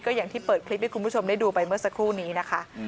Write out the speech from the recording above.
อย่างที่เปิดคลิปให้คุณผู้ชมได้ดูไปเมื่อสักครู่นี้นะคะ